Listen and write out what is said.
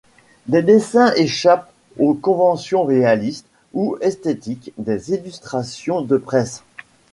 Les dessins échappent aux conventions réalistes ou esthétiques des illustrations de presse.